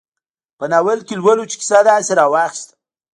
په ناول کې لولو چې کیسه داسې راواخیسته.